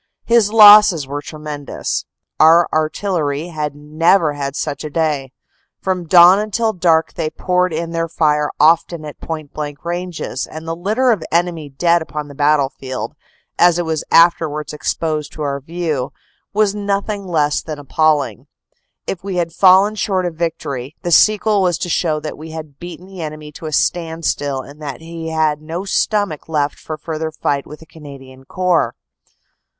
His losses were tremendous. Our artil lery had never had such a day. From dawn until dark they poured in their fire often at point blank ranges, and the litter of enemy dead upon the battlefield, as it was afterwards ex posed to our view, was nothing less than appalling. If we had fallen short of victory, the sequel was to show that we had beaten the enemy to a standstill and that he had no stomach left for further fight with the Canadian Corps.